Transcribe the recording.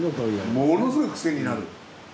ものすごいクセになる。